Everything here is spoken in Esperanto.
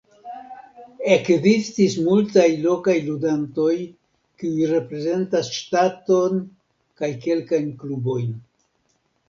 Ekzistis multaj lokaj ludantoj kiuj reprezentas ŝtaton kaj kelkajn klubojn.